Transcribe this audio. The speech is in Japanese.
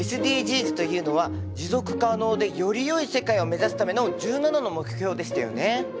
ＳＤＧｓというのは持続可能でよりよい世界を目指すための１７の目標でしたよね。